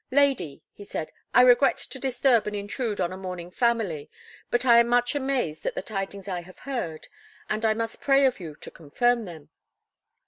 "Lady," he said, "I regret to disturb and intrude on a mourning family, but I am much amazed at the tidings I have heard; and I must pray of you to confirm them."